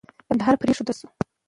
کندهار پرېښودل سو.